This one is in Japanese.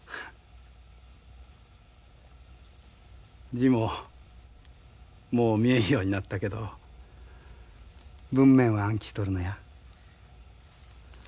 字ももう見えんようになったけど文面は暗記しとるのや。